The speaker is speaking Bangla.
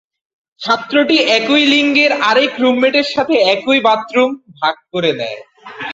ছাত্রটি একই লিঙ্গের আরেক রুমমেটের সাথে একটি বাথরুম ভাগ করে নেয়।